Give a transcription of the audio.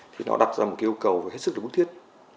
thì nó đặt ra một cái yêu cầu hết sức được bút thiết